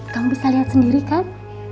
kamu bisa lihat sendiri kan